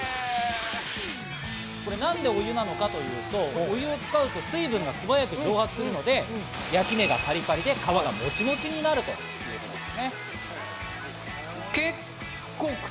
なんでお湯なのかというと、お湯を使うと、水分が素早く蒸発するので焼き目がパリパリで皮がモチモチになるということです。